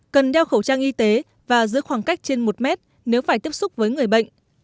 cần đeo khẩu trang y tế và giữ khoảng cách trên một mét nếu phải tiếp xúc với người bệnh